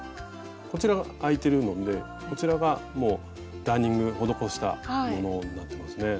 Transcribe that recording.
こちらがあいてるのでこちらがダーニング施したものになってますね。